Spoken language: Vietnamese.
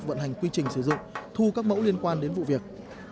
vận hành quy trình sử dụng thu các mẫu liên quan đến vụ việc